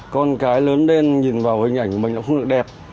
con cái lớn lên nhìn vào hình ảnh của mình nó không được đẹp